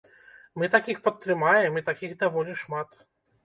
Мы такіх падтрымаем, і такіх даволі шмат.